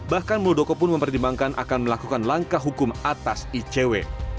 bahkan muldoko pun mempertimbangkan akan melakukan langkah hukum atas icw